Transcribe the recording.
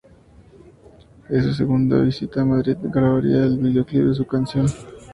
En su segunda visita a Madrid grabaría el videoclip de su canción It's 躁タイム!!.